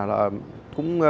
cũng đúng là